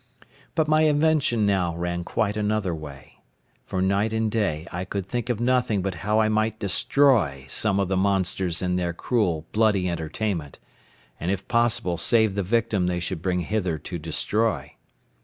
But my invention now ran quite another way; for night and day I could think of nothing but how I might destroy some of the monsters in their cruel, bloody entertainment, and if possible save the victim they should bring hither to destroy.